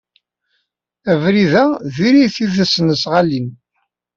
Abrid-a diri-t i tesnasɣalin.